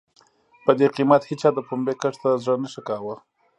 په دې قېمت هېچا د پنبې کښت ته زړه نه ښه کاوه.